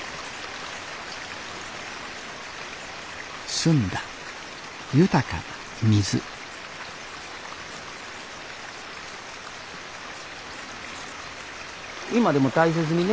澄んだ豊かな水今でも大切にね